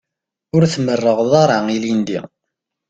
Ur tmerrɣeḍ ara ilindi.